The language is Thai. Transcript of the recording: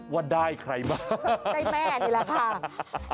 ว่าได้ใครบ้างได้แม่นี่แหละค่ะ